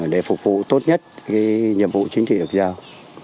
để phục vụ tốt nhất nhiệm vụ chính trị được giao